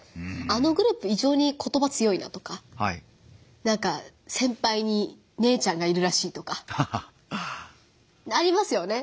あのグループ異常にことば強いなとか先ぱいに姉ちゃんがいるらしいとかありますよね